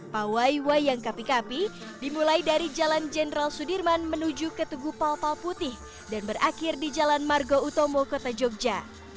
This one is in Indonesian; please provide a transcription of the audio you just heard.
pawai wayang kapi kapi dimulai dari jalan jenderal sudirman menuju ke tugu palpal putih dan berakhir di jalan margo utomo kota jogja